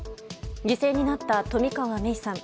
犠牲になった冨川芽生さん。